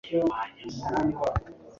kugenzura buri gihe amafishi yo gukingira